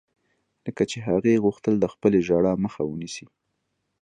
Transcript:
لکه چې هغې غوښتل د خپلې ژړا مخه ونيسي.